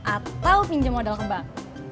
atau pinjam modal ke bank